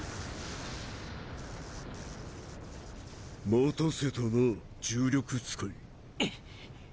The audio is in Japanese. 待たせたな重力使い。